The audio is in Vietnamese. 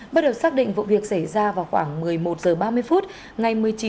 bắt đầu xác định vụ việc xảy ra vào khoảng một mươi một h ba mươi